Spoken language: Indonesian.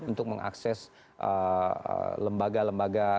untuk mengakses lembaga lembaga